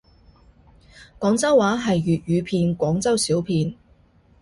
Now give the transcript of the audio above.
廣州話係粵海片廣州小片